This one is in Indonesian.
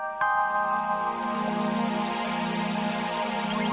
irrigasi tenang di together with me